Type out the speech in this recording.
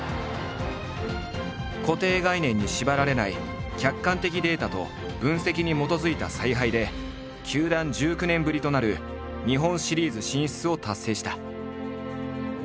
固定概念に縛られない客観的データと分析に基づいた采配で球団１９年ぶりとなる日本シリーズ進出を達成した。